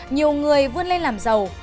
nhiều người vươn lên làm giàu